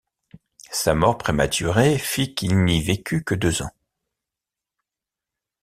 Sa mort prématurée fit qu'il n'y vécut que deux ans.